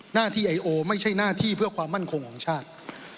หน้าที่ไอโอไม่ใช่หน้าที่เพื่อความมั่นคงของชาติ